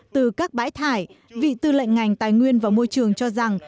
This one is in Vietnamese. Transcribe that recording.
từ các bãi thải vị tư lệnh ngành tài nguyên và môi trường cho rằng